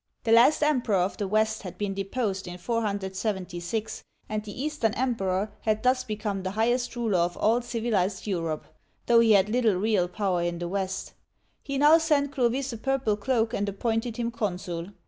The last Emperor of the West had been deposed in 476, and the Eastern Emperor had thus become the highest ruler of all civilized Europe, though he had little real power in the West. He now sent Clovis a purple cloak and appointed him Consul.